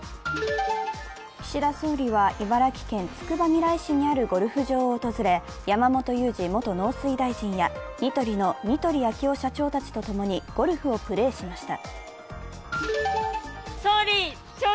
岸田総理は、茨城県つくばみらい市にあるゴルフ場を訪れ、山本有二元農水大臣やニトリの似鳥昭雄社長たちと共にゴルフをプレーしました。